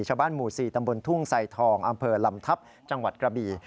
ชาวบ้านหมู่๔ตำบลทุ่งไซทองอำเภอลำทัพจังหวัดกระบี